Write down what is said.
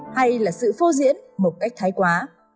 hay là sự phô diễn một cách thái quá